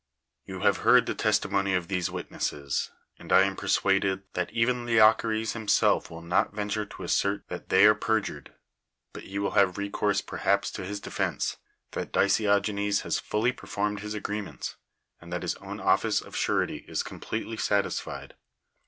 You have heard the testimony of these wit nesses, and I am persuaded that even Leochare.s himself will not venture to assert ihat they are perjured; but he will have rc^eoursi^ perhaps to his defense, that Dicjpogenes has fiiily j^ei foi med his agreement, and that his own ofiiee of surety is completely satisfied.